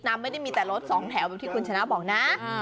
ไม่ได้มีแต่รถสองแถวแบบที่คุณชนะบอกนะ